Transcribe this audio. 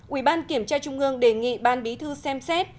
ubktq đề nghị ban bí thư xem xét